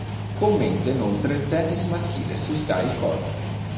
Commenta inoltre il tennis maschile su Sky Sport.